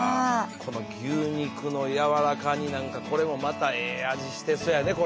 この「牛肉のやわらか煮」なんかこれもまたええ味してそうやねこれは。